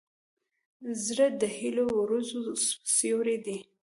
زړه د هيلو د وزرو سیوری دی.